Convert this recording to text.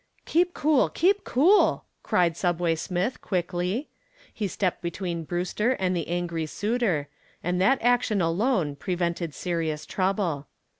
"Keep cool! Keep cool!" cried "Subway" Smith quickly. He stepped between Brewster and the angry suitor, and that action alone prevented serious trouble.